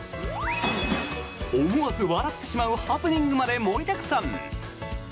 思わず笑ってしまうハプニングまで盛りだくさん！